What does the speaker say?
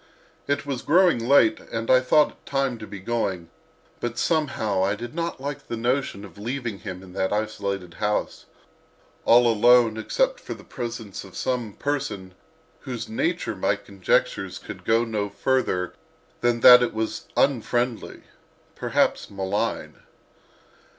It was growing late and I thought it time to be going, but somehow I did not like the notion of leaving him in that isolated house, all alone except for the presence of some person of whose nature my conjectures could go no further than that it was unfriendly, perhaps malign.